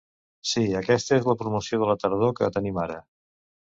Sí, aquesta es la promoció de la tardor que tenim ara.